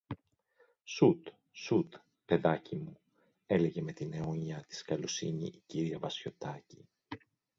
Σουτ! Σουτ! παιδάκι μου, έλεγε με την αιώνια της καλοσύνη η κυρία Βασιωτάκη